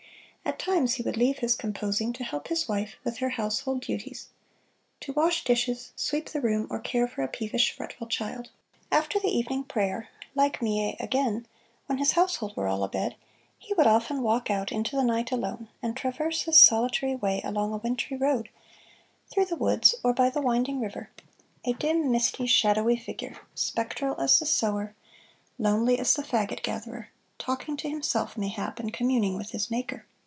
At times he would leave his composing to help his wife with her household duties to wash dishes, sweep the room or care for a peevish, fretful child. After the evening prayer, like Millet, again, when his household were all abed, he would often walk out into the night alone, and traverse his solitary way along a wintry road, through the woods or by the winding river, a dim, misty, shadowy figure, spectral as the "Sower," lonely as the "Fagot Gatherer," talking to himself, mayhap, and communing with his Maker.